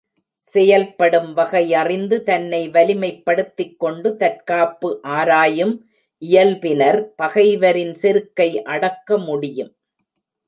செயல்படும் வகை அறிந்து, தன்னை வலிமைப் படுத்திக்கொண்டு தற்காப்பு ஆராயும் இயல்பினர் பகைவரின் செருக்கை அடக்க முடியும்.